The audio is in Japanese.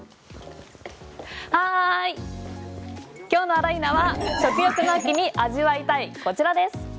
今日のあら、いーな！は食欲の秋に味わいたいこちらです。